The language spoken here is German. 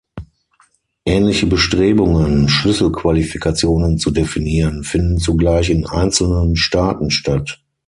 Ähnliche Bestrebungen, Schlüsselqualifikationen zu definieren, finden zugleich in einzelnen Staaten statt.